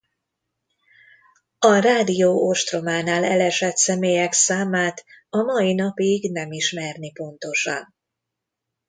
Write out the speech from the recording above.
A rádió ostrománál elesett személyek számát a mai napig nem ismerni pontosan.